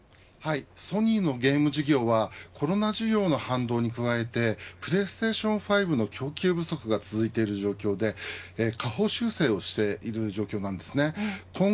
ソニーのゲーム事業はコロナ事業の反動に加えてＰｌａｙＳｔａｔｉｏｎ５の供給不足が続いている状況で下方修正をしている状況です。